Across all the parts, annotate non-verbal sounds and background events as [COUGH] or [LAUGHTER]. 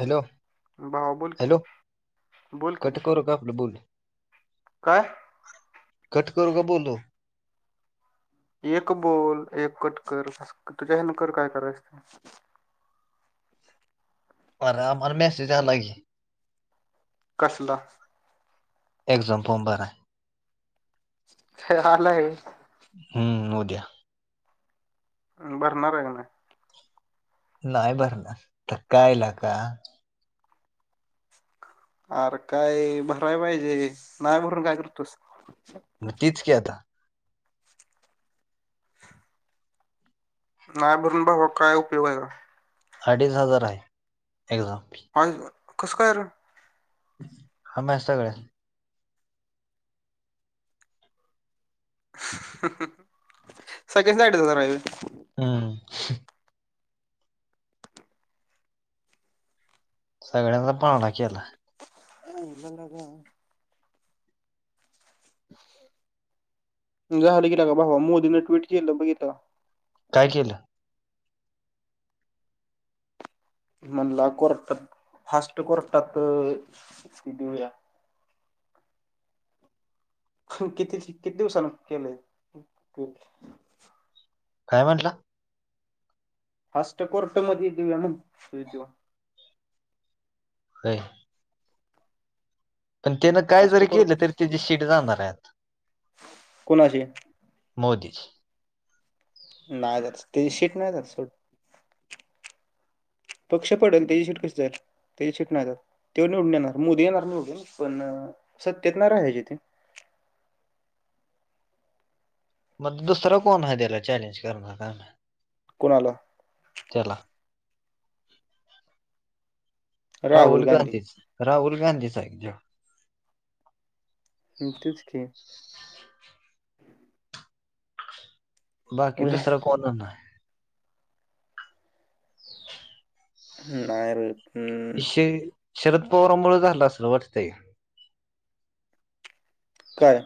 Hello! भावा बोल की हॅलो बोल की कट करु का आपलं बोलणं. काय कट करू का बोलू? एक बोल एक कटकर तुझ्या ह्यानकर काय करायचते. अरं आम्हाला मेसेज आलाय की कसला? एक्झाम फॉर्म भराय. आलं आहे. हम्म ऊद्या. भरणार आहे का नाही? नाही भरनार काय लेका आरं काय भराय पाहिजे नाही भरून काय करतोस. मग तेच की आता नाही भरून भावा काय उपयोग आहे का? अडीच हजार आहे एक्झाम फी. आई गं, कसं काय रं. हम्या सगळ्या. सेकंड साईडच राहिलाय. हम्म. सगळ्यांचा पाळणा केला. [INAUDIBLE] झालं की लेका भावा मोदीनं ट्विट केलं बघितलं का? काय केलं? म्हणला कोर्टात फास्ट कोर्टात हेचकी देऊया. किती किती दिवसांन केलंय. कायं म्हटलं? फांस्ट कोर्ट मध्यें देऊ मगं ते हो. पणं त्यानं कायं फास्ट जरी कोर केलं तरी त्यांची शीट जाणारं आहेंत. कोणाशी मोदींची नाहीं जातं ते शीट नाहीं जातं. [UNINTELLIGIBLE] पक्ष पडेल त्यांची शेट कशी जां. तेची शिट नाही जात येतात तेव निवडून येणार मोदी येणार निवडूनन पणं सत्तेतंणार हं जिथे मगं दुसरा कोणं आहे त्यांला चॅलेंज करणारा. कोणालां? त्यांला राहुल गांधींचं राहुल गांधींचं आहे त्यो हं तेच की बाकी नाही दुसरं कोणं होणार आहे. अ नाहीर. शे शरद पवारांमुळे झालं असलं वाटतंय ते कायं?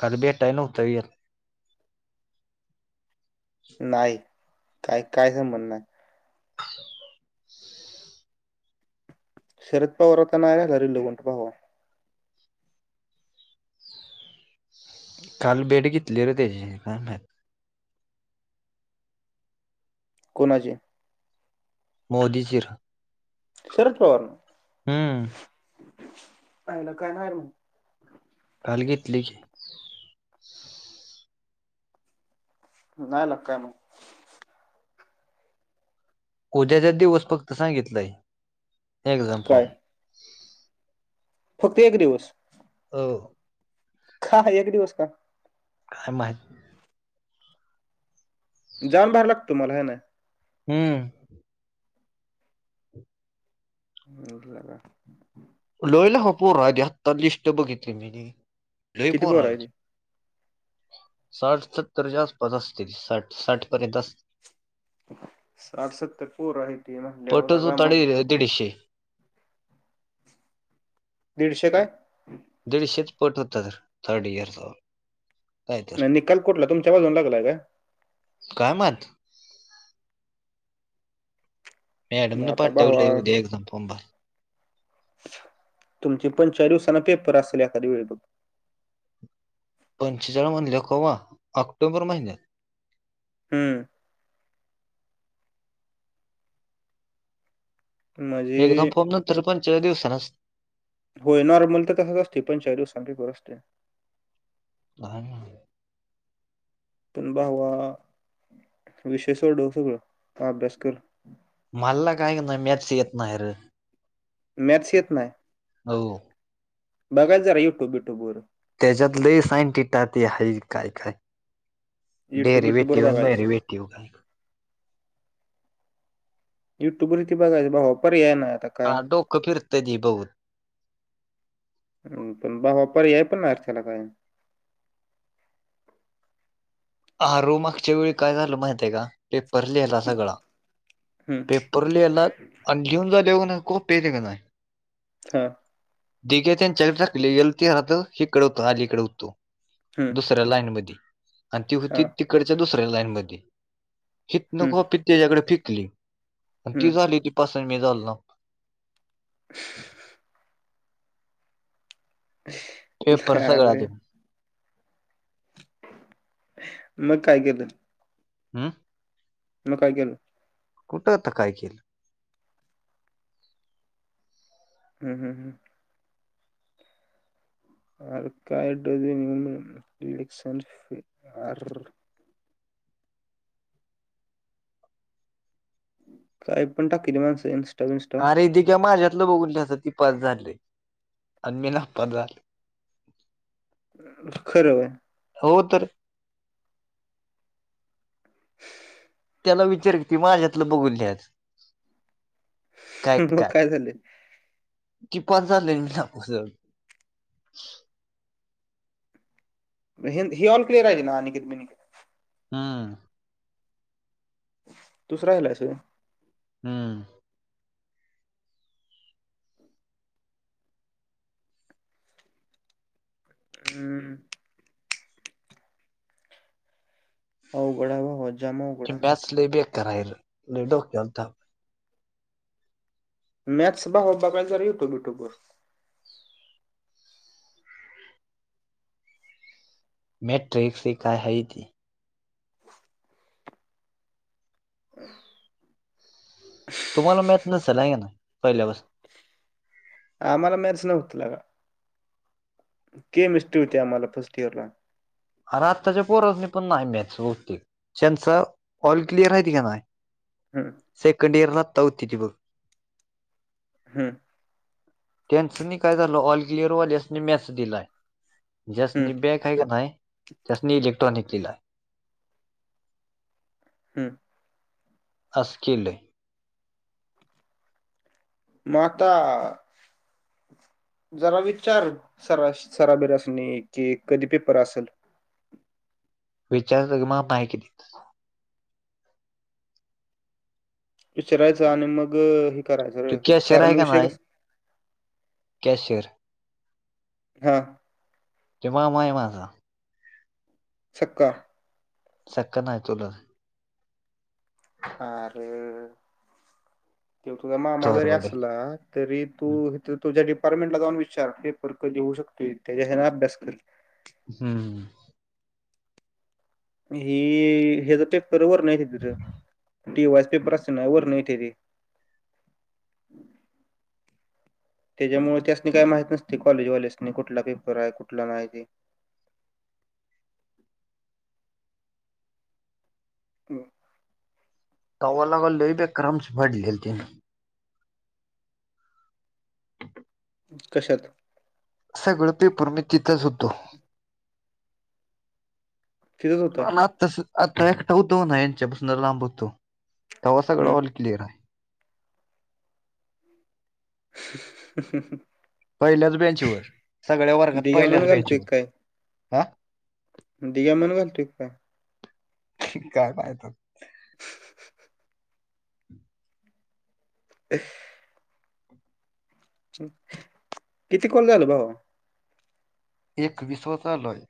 काल भेटायला नव्हतां येतं. नाहीं कायं कायं संबंध नाहीं. शरद पवार होता नांय आहेरलो गुट पवार. काल भेट घेतली र त्यांची कामं. कोणाची? मोदींचीर. शरद पवार नां हम्म आला कायं नाहीं मगं. काल घेतली की. राहीला कायं मगं. उद्याचा दिवसं फक्तं सांगितलंय एक्झाम्पल. फक्तं एक दिवसं. हो. कां एक दिवसं कां. कायं माहित. जाऊन भरलागतो. तुम्हांला हं नां ओ. हम्मं. उरला कां. लोहिला हो पोर रा आत्ता लिस्ट बघितली मी लोई किती पोर आहे ते रां. साठ सत्तरच्यां आसपास असतील साठ साठ पर्यंत असेल. साठसत्तर पोरहाय म्हणल्यावर पटच होलागा होता मगं. दीडशे. दीडशे कायं. दीडशेे पँट होतं तरं थर्ड इयर्स. नीकाल कुठला तुमच्या बाजवूनचा लागलाय कां. कायं माहित. मॅडम नं आता भावा पाठवल उद्या एक्झांम फाम भरायला. तुमची पणं चार दिवसांना पेपर असेल एखादी वेळ बघं. पंच जण म्हणले कोवा ऑक्टोंबर महिन्यांत. हम्मं म्हणजे एकदम फोन नंतर पंच्या दिवसाांच. होय नॉर्मल तर तसंच असते पण चार दिवसांर असते. नाही. पण भावा विषय सोडव सगळं ह अभ्यास कर. मल्ला काय नाही म्याच येत नाही र. मॅचस येत नाही. हो. बघा जरा युट्यूब इट्यूबर. त्याच्यात लही साईन टिटाती ह काय काय युट्यूब डेरी बिट्यूब वर वेटी व बघायचं मैरी वेटी. तेो गय. युट्युब वरती बघायचं भाव पर्याय नाही आता. हा काय डोकं फिरत जी बघून. पण बा वापारी आहे पण ना अर्थ्याला काय. ह रोमागच्या वेळी काय झालं माहित आहे का पेपर लिहिला सगळा हम्म, पेपर. आप याला घेऊन झाले हो खप हा. दिघे त्यांनी चलकलेल ते रात इकडे होत आलीकडे होतो हम्म, दुस रीलाईनमधी आणि ती हा, होती तिकडच्या दुसऱ्या लाईन मधी हितन हम्म, कॉपी त्याज्याकड फेकली. आणि ती हम्म. झाली होती पास अनं मी झालो नवं [INAUDIBLE] [INAUDIBLE] ते परसाद अरे राजे मग काय केलं हूं म काय केलं. कुठं त काय केलं. हूं हूं हूं आर काय ड [UNINTELLIGIBLE] एक सार [UNINTELLIGIBLE] अर्रर्रर्र काय पण टाकीलंय माणस यन्स अरे दिघ्या माझ्यातलं बघून लिहायचं ती पास झालयं आणि मी नापास झालोय. खर व्हय हो तर ला विचार की ती माझ्यातलं बघून लिहायच मग काय झालयं. ती पास झाले अनं मी नापास झालो. म हे ही ऑल क्लीअर आहेत ना अनिकेत बिनिकेत हूं तूच राहिलास व्हय हूं हम्म अवगड हाय भावा जाम अवघड हाय. च लय बेकार हाय र लय डोक्याला ताप मॅथस भावा बघाय जरा युट्यूब बिट्यूवर मॅथ्स ट्रिक्स ये काय हाय ते तुम्हाला मॅथ्स नसल आहे क नायं पहिल्यापासून आम्हाला मॅथ्स नव्हतं लेका के मिस्ट्री होती आम्हाला फर्स्ट इयर ला अर आत्ताच्या पोरास्नी पण नायं मॅथ्स बहुतेक ज्यांचा ऑल क्लिअर हायती की नायं हम्म सेकंड इयर ला आता होती ती बघ हम्म त्याचनी काय झालं ऑल क्लिअर वाल्यासनी मॅथ्स दिलाय हं, ज्यासनी बॅक हाय का नायं त्यासनी इलेक्ट्रॉनिक दिलाय. हूं आस केलंय. म आता जरा विचार सरा सराबीरांस्नी की कधी पेपर असल. विचारतो की मामा हाय की तिथं विचारायच आणि मग हे करायचं तो र कॅशियर कारण आहे का विषय नाही कस कॅशियर घरात. त्यो मामा आहे माझा. सख्खा. सख्खा नाही चुलत. आर.. त्यो तुझा मामा जरी थोरवडे असला, तरी तू- तर तुझ्या डिपार्टमेंट ला जाऊन विचार, पेपर कधी होऊ शकतोय, त्याच्या हन अभ्यास कर. हम्म. ही ह्याचा पेपर वरन [UNINTELLIGIBLE] तिथं टी वाय चा पेपर असतो ना, वरन येतत्याती. [INAUDIBLE] त्याच्यामुळे त्यासनी काय माहत नसतय कॉलेज वाल्यासनी, कुठला पेपर आहे, कुठला नाही ते. हो [INAUDIBLE] गावाला आलोय बेक्कार आमची भांडलीये ते [UNINTELLIGIBLE] कशात? सगळं पेपर मी तिथच होतो. तिथंच होता पण आत्ता आता एकटा होतो नाही, यांच्यापासून लांब होतो, तेव्हा सगळं ऑल हम्म क्लिअर आहे. हम [INAUDIBLE] पहिल्याच बेंचवर, सगळ्या वर्गात दिघ्या मन पहिल्याच घालतोय बेंचवर. काय हा? दिघ्या म्हण म्हणतोय की काय? काय फायदा. हा हा [INAUDIBLE] [UNINTELLIGIBLE] [INAUDIBLE] किती कॉल झाल भावा? एकविसवा चालू आहे.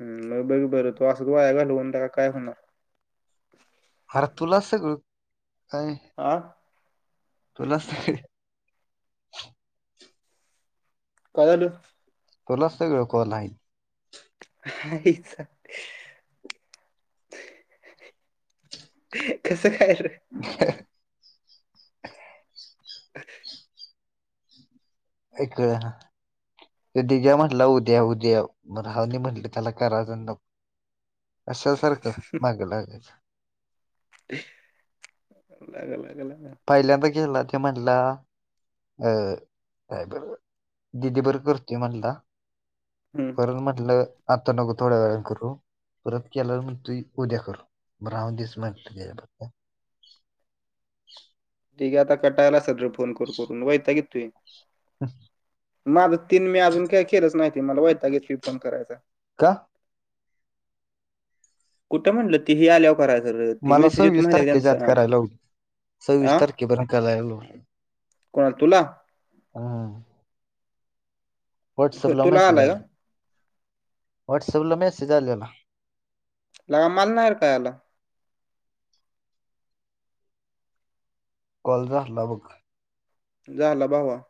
हम, मग बरोबर आहे, तु असंच वाया घालवून काय होणार? आर तुला सगळं काय? आं. तुलाच सगळं [UNINTELLIGIBLE] काय झालं? तुलाच सगळं कॉल आहे. आईचा [INAUDIBLE] कसं काय र? ह [INAUDIBLE] [UNINTELLIGIBLE] [INAUDIBLE] काही कळेना. तो दिघ्या म्हटला उद्या, उद्या मग राहू दे म्हटलं, त्याला करायचं नको. कशाला सारखं मागं लागायचं. [INAUDIBLE] पहिल्यांदा गेला ते म्हणला- अ.. काय बर दिदी बरं करतय म्हणला. हम्म. करण म्हटलं आता नको थोड्या वेळान करू. परत केल्यावर मग तु् उद्या कर, ब राहून दिस म्हटलं [UNINTELLIGIBLE] ते बी आता कटाळला आसल फोन करून, करून वैताग येतोय. हा [INAUDIBLE] माझ तीन मी अजून काय केलंच नाही मला वयता घेतली फोन करायचा. का? कुठं म्हटलं तीही आल्यावर करायच ती मला मेसेज सव्वीस तारखेच्या आत तुमचा? करायला लावली सव्वीस तारखे बरकालायलो. कोणाल तुला? हम. होय, व्हॉट्सअपला तुला मेसेज आला का आले व्हॉट्सअपला मेसेज आलेला. लग माल नाही आहे काय याला कॉल झाला बघ. झालं भावा